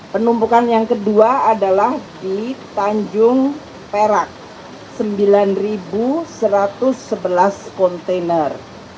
penumpukan yang kedua adalah di tanjung perak sembilan satu ratus sebelas kontainer